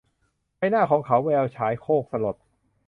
ใบหน้าของเขาฉายแววโศกสลด